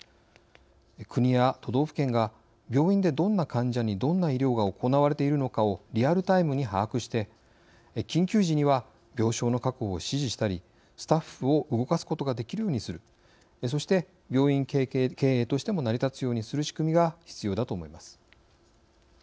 国や都道府県が病院でどんな患者にどんな医療が行われているのかをリアルタイムに把握して緊急時には病床の確保を指示したりスタッフを動かすことができるようにするそして病院経営としても成り立つようにする仕組みが必要だと思います。